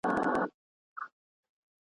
مثبت عملونه باید دوام ولري.